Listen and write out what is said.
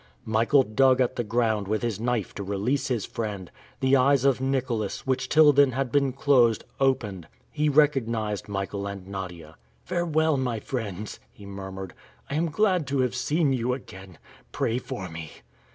Michael dug at the ground with his knife to release his friend! The eyes of Nicholas, which till then had been closed, opened. He recognized Michael and Nadia. "Farewell, my friends!" he murmured. "I am glad to have seen you again! Pray for me!"